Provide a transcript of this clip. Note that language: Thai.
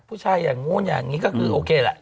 ผู้ชายอย่างโน้นอย่างนี้ก็คือโอเคแหละ